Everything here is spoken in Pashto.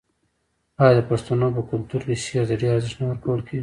آیا د پښتنو په کلتور کې شعر ته ډیر ارزښت نه ورکول کیږي؟